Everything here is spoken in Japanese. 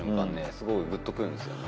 すごいグッとくるんですよね